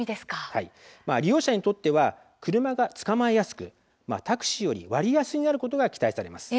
利用者にとっては車がつかまえやすくタクシーより割安になることが期待されます。